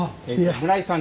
村井さん